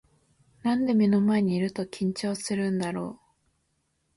なんで目の前にいると緊張するんだろう